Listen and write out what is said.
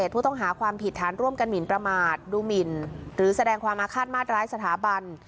ผู้ต้องหาความผิดฐานร่วมกันหมินประมาทดูหมินหรือแสดงความอาฆาตมาตร้ายสถาบัน